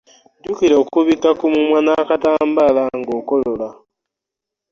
Jjukira okubikka ku mumwa n'akatambaala ng'okolola.